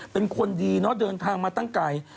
เป็นคนดีเนาะเดินทางมาตั้งไกล